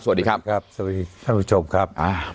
สวัสดีครับสวัสดีครับท่านผู้ชมครับ